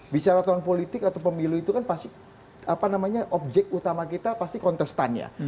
bicara tahun politik atau pemilu itu kan pasti apa namanya objek utama kita pasti kontestannya